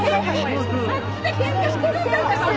あっちでケンカしてるんだってば。